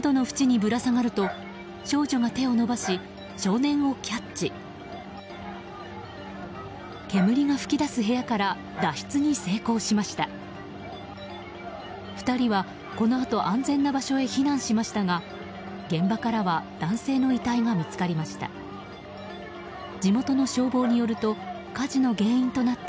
２にんはこのあと安全な場所へと避難しましたが現場からは男性の遺体が見つかりました。